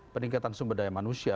peningkatan sumber daya manusia